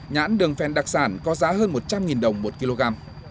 nhãn đường phen đặc sản có giá hơn một trăm linh đồng một kg